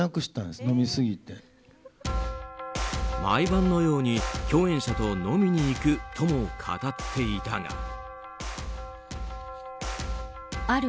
毎晩のように共演者と飲みに行くとも語っていたが。